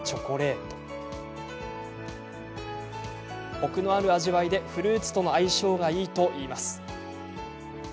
コクのある味わいでフルーツとの相性がいいといいます。